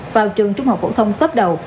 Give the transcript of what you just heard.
vào trường trung học phổ thông cấp đầu